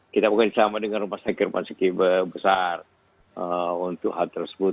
kita bekerja sama dengan rumah sakit rumah sakit besar untuk hal tersebut